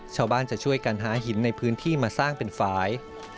ชาวบ้านจะช่วยกันหาหินในพื้นที่มาสร้างเป็นฝ่าย